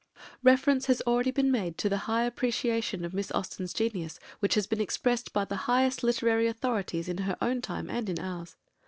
Reference has already been made to the high appreciation of Miss Austen's genius which has been expressed by the highest literary authorities in her own time and in ours.